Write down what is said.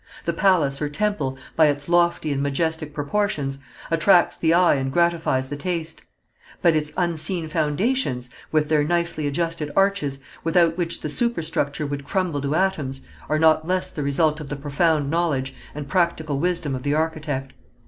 The palace or temple, by its lofty and majestic proportions, attracts the eye and gratifies the taste; but its unseen foundations, with their nicely adjusted arches, without which the superstructure would crumble to atoms, are not less the result of the profound knowledge and practical wisdom of the architect.